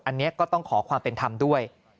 อันนี้ก็ต้องขอความเป็นธรรมด้วย